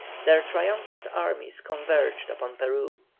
Their triumphant armies converged upon Peru.